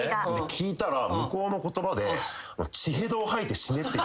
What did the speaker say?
聞いたら向こうの言葉で。